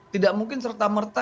tidak mungkin serta merta